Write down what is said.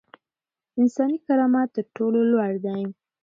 انساني کرامت تر ټولو لوړ دی.